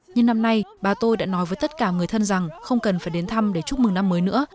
nhưng năm nay bà tôi đã nói với tất cả người thân rằng không cần phải đến thăm để chúc mừng năm mới nữa